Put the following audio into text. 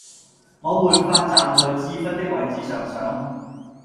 我沒法站在智勳的位置上想